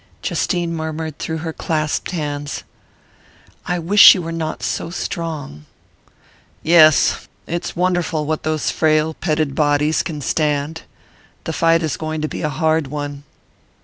Justine murmured through her clasped hands: "I wish she were not so strong " "Yes; it's wonderful what those frail petted bodies can stand. The fight is going to be a hard one."